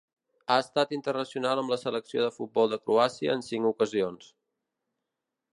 Ha estat internacional amb la selecció de futbol de Croàcia en cinc ocasions.